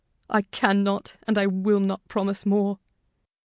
I can not and I will not promise more."